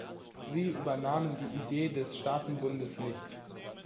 Sie übernahmen die Idee des Staatenbundes nicht.